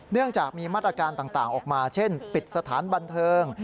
เนื่องจากมีมาตรการต่างออกมาเช่นปิดสถานบันเทิง